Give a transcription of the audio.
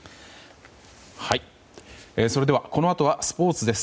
それではこのあとはスポーツです。